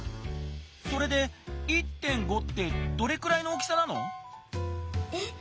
それで「１．５」ってどれくらいの大きさなの？え？